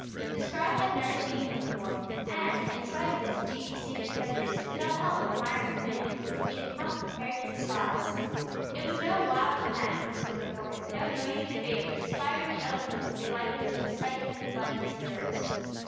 The scribe had never seen Him before, and in spite of his deep seated prejudice could not help admiring the man whom he had come prepared to despise. It was no wild fanatic who stood before him, no noisy debater whose fiery eloquence would be likely to excite and inflame His hearers.